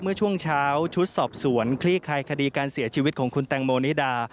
เมื่อช่วงเช้าชุดสอบสวนคลี่คลายคดีการเสียชีวิตของคุณแตงโมนิดา